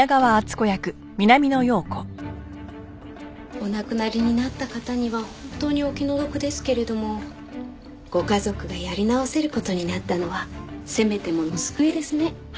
お亡くなりになった方には本当にお気の毒ですけれどもご家族がやり直せる事になったのはせめてもの救いですね。